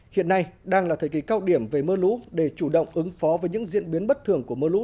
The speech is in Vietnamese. hiện nay đang là thời kỳ cao điểm về mưa lũ để chủ động ứng phó với những diễn biến bất thường của mưa lũ